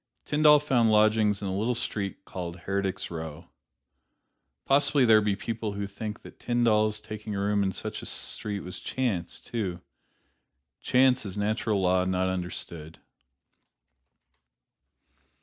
Tyndall found lodgings in a little street called "Heretics' Row." Possibly there be people who think that Tyndall's taking a room in such a street was chance, too. Chance is natural law not understood.